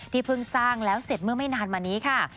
เพิ่งสร้างแล้วเสร็จเมื่อไม่นานมานี้ค่ะ